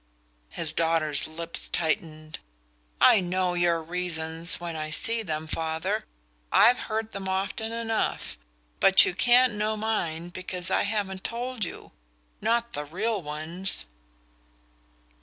His daughter's lips tightened. "I know your reasons when I see them, father: I've heard them often enough. But you can't know mine because I haven't told you not the real ones."